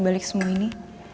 di balik semua ini